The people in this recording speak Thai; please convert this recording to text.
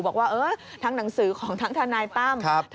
บอกว่าทั้งหนังสือของทั้งทนายตั้ม